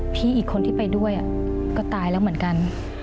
อีกคนที่ไปด้วยก็ตายแล้วเหมือนกัน